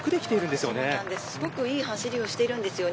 すごくいい走りをしています。